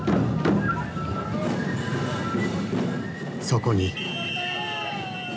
そこに。